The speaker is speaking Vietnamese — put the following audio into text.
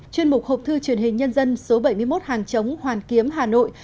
chuyên mục học thư truyền hình nhân dân số bảy mươi một hàng chống hoàn kiếm hà nội